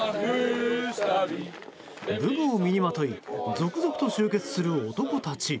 武具を身にまとい続々と集結する男たち。